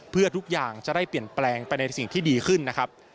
เพื่อทุกอย่างจะได้เปลี่ยนแปลงไปในสิ่งที่ดีขึ้นนะครับ